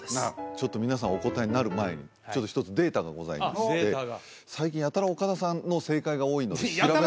ちょっと皆さんお答えになる前に１つデータがございまして最近やたら岡田さんの正解が多いので調べました